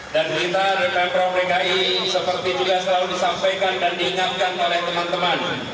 dan kita the pembro bki seperti juga selalu disampaikan dan diingatkan oleh teman teman